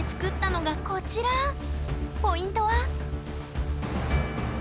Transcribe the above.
ポイントは？